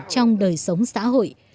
trong đời sống xã hội